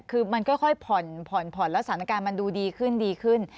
คือมันค่อยผ่อนแล้วสถานการณ์มันดูดีขึ้น